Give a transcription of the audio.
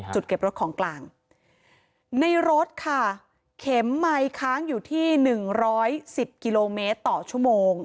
จุดเก็บรถของกลางในรถค่ะเข็มไหม้ค้างอยู่ที่นึงร้อยสิบกิโลเมตรต่อชั่วโมง